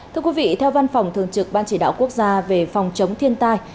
thưa quý vị theo văn phòng thường trực ban chỉ đạo quốc gia về phòng chống thiên tai